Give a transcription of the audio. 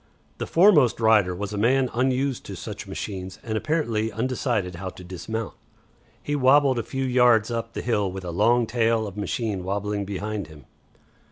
The foremost rider was a man unused to such machines and apparently undecided how to dismount. He wabbled a few yards up the hill with a long tail of machine wabbling behind him.